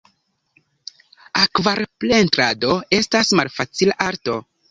Akvarelpentrado estas malfacila arto.